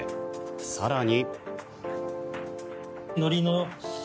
更に。